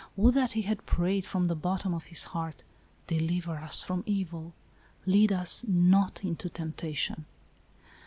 Would that he had prayed from the bottom of his heart, "deliver us from evil," "lead us not into temptation."